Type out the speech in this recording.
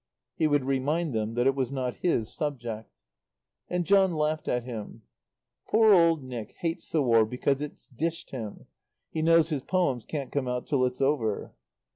He would remind them that it was not his subject. And John laughed at him. "Poor old Nick hates the War because it's dished him. He knows his poems can't come out till it's over."